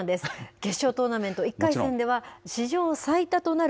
決勝トーナメント１回戦では史上最多となる